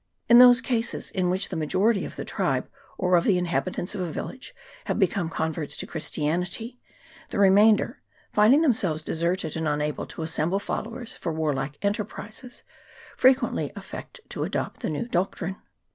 In those cases in which the majority of the tribe or of the inhabitants of a village have become converts to Christianity, the remainder, finding themselves deserted, and unable to assemble followers for war like enterprises, frequently affect to adopt the new doctrine.